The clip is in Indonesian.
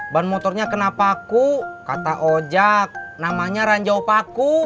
ban motornya kena paku kata ojak namanya ranjau paku